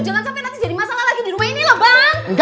jangan sampai nanti jadi masalah lagi di rumah ini loh bang